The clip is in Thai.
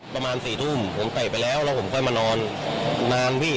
ประมาณ๔ทุ่มผมเตะไปแล้วแล้วผมค่อยมานอนนานพี่